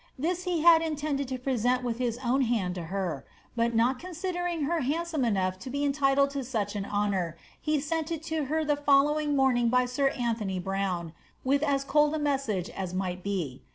* This he had intended to present with his own hand to her ; but not considering her handsome enough to be entitled to such an honour, he sent it to her the following morning by sir Anthony Brown, with as cold a message as might be.'